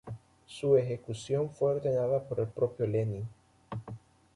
Su ejecución fue ordenada por el propio Lenin.